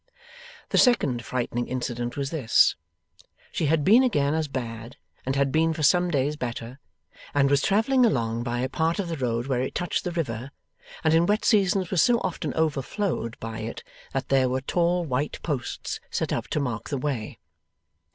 The second frightening incident was this. She had been again as bad, and had been for some days better, and was travelling along by a part of the road where it touched the river, and in wet seasons was so often overflowed by it that there were tall white posts set up to mark the way.